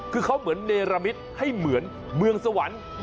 คือเขาเหมือนเนรมิตให้เหมือนเมืองสวรรค์